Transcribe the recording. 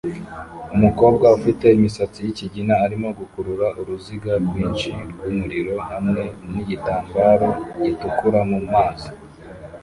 Umukobwa ufite imisatsi yikigina arimo gukurura uruziga rwinshi rwumuriro hamwe nigitambaro gitukura mumazi